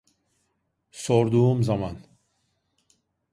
Sorduğum zaman.